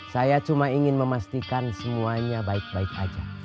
saya cuma ingin memastikan semuanya baik baik aja